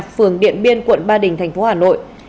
phường điện biên quận ba đình thành phố hà nội